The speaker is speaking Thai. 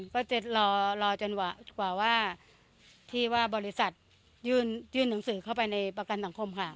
ก็จะรอจนกว่าว่าที่ว่าบริษัทยื่นหนังสือเข้าไปในประกันสังคมค่ะ